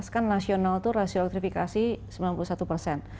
kan nasional itu rasio elektrifikasi sembilan puluh satu persen